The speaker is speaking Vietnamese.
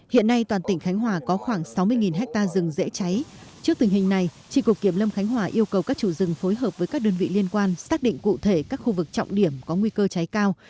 hiện nay toàn tỉnh khánh hòa có khoảng sáu mươi ha rừng dễ cháy trước tình hình này tri cục kiểm lâm khánh hòa yêu cầu các chủ rừng phối hợp với các đơn vị liên quan xác định cụ thể các khu vực trọng điểm có nguy cơ cháy cao